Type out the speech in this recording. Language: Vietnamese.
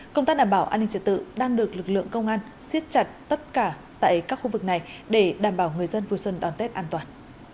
công tác đảm bảo an ninh trật tự đang được lực lượng công an xiết chặt tất cả tại các khu vực này để đảm bảo người dân vui xuân đón tết an toàn